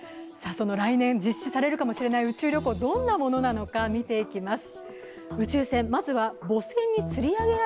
来年実施されるかもしれない宇宙旅行どんなものなのか見ていきます。